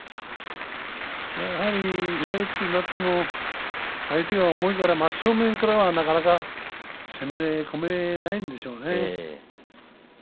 左四つになっても相手が重いから真正面からはなかなか攻め込めないんでしょうね。